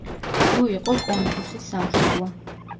ლუ იყო კონფუცის სამშობლო.